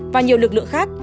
và nhiều lực lượng khác